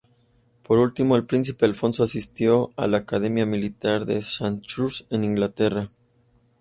Por último, el príncipe Alfonso asistió a la Academia militar de Sandhurst, en Inglaterra.